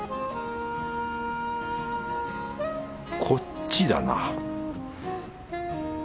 こっちだな